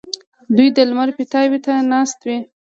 دوی د لمر پیتاوي ته ناست وي.